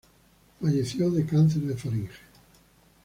Falleció de cáncer de faringe.